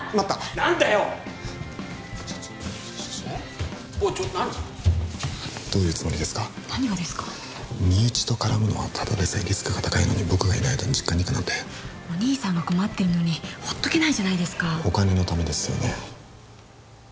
何がですか身内と絡むのはただでさえリスクが高いのに僕がいない間に実家に行くなんてお義兄さんが困ってるのにほっとけないじゃないですかお金のためですよね